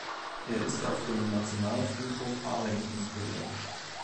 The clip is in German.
Er ist auf dem Nationalfriedhof Arlington beerdigt.